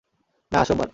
না, আজ সোমবার।